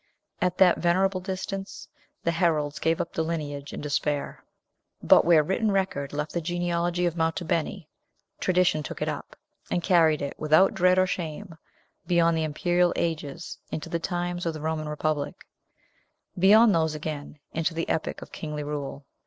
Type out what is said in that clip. At that venerable distance, the heralds gave up the lineage in despair. But where written record left the genealogy of Monte Beni, tradition took it up, and carried it without dread or shame beyond the Imperial ages into the times of the Roman republic; beyond those, again, into the epoch of kingly rule.